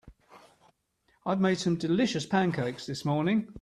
I've made some delicious pancakes this morning.